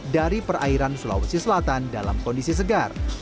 dari perairan sulawesi selatan dalam kondisi segar